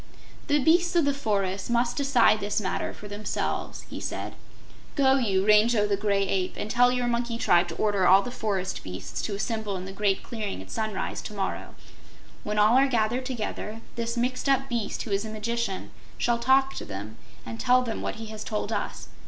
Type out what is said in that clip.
"The beasts of the forest must decide this matter for themselves," he said. "Go you, Rango the Gray Ape, and tell your monkey tribe to order all the forest beasts to assemble in the Great Clearing at sunrise to morrow. When all are gathered together, this mixed up Beast who is a magician shall talk to them and tell them what he has told us.